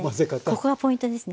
ここがポイントですね。